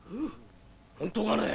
本当かね。